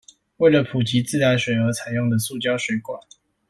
為了普及自來水而採用的塑膠水管